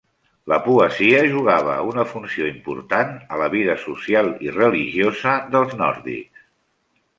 La poesia jugava una funció important a la vida social i religiosa dels nòrdics.